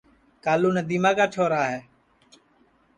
کالو ندیما کا چھورا ہے